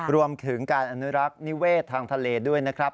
รวมถึงการอนุรักษ์นิเวศทางทะเลด้วยนะครับ